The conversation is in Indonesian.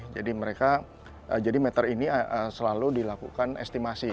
jadi mereka jadi meter ini selalu dilakukan estimasi